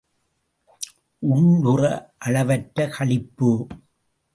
உள்ளுற அளவற்ற களிப்பு.